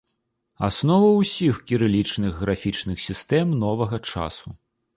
Аснова ўсіх кірылічных графічных сістэм новага часу.